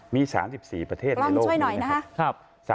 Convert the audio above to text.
มี๓๔ประเทศในโลกนะครับ